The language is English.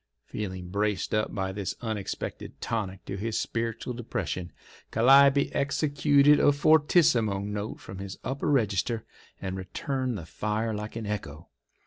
Feeling braced up by this unexpected tonic to his spiritual depression, Calliope executed a fortissimo note from his upper register, and returned the fire like an echo.